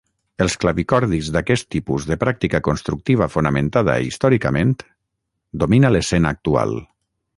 Els clavicordis d'aquest tipus de pràctica constructiva fonamentada històricament domina l'escena actual.